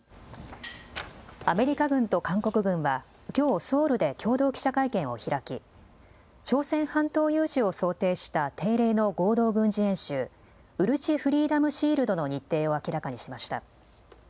アメリカ軍と韓国軍はきょうソウルで共同記者会見を開き朝鮮半島有事を想定した定例の合同軍事演習ウルチ・フリーダム・シールドの日程を明らかにしました。